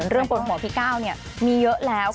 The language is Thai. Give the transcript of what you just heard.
เรื่องปวดหัวพี่ก้าวเนี่ยมีเยอะแล้ว